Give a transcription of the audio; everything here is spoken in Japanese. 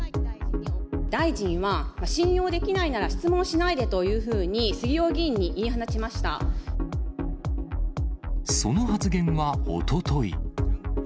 大臣は信用できないなら質問しないでというふうに杉尾議員にその発言はおととい。